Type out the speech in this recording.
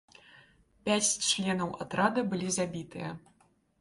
Пяць членаў атрада былі забітыя.